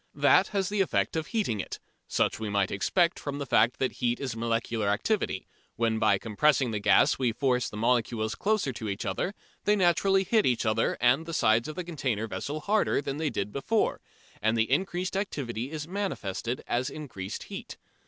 That has the effect of heating it. Such we might expect from the fact that heat is molecular activity: when by compressing the gas we force the molecules closer together, they naturally hit each other and the sides of the containing vessel harder than they did before, and the increased activity is manifested as increased heat.